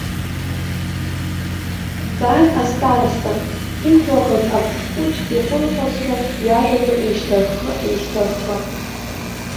Дҵааит астароста, ихәлахаз аԥшхәыҵә ихәылҟьазшәа, иажәақәа еишьҭарххы-еишьҭарххы.